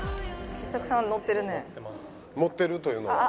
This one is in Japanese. ノッてるというのは？